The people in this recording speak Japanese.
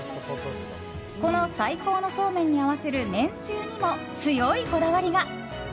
この最高のそうめんに合わせるめんつゆにも強いこだわりが。